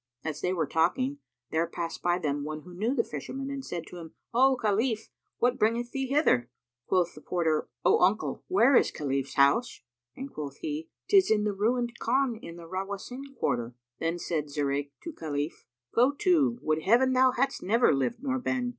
As they were talking, there passed by them one who knew the Fisherman and said to him, "O Khalif, what bringeth thee hither?" Quoth the porter, "O uncle, where is Khalif's house?" and quoth he, "'Tis in the ruined Khan in the Rawásín Quarter."[FN#287] Then said Zurayk to Khalif, "Go to; would Heaven thou hadst never lived nor been!"